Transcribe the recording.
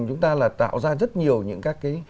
chúng ta là tạo ra rất nhiều những cái